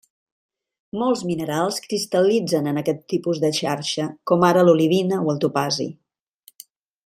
Molts minerals cristal·litzen en aquest tipus de xarxa, com ara l'olivina o el topazi.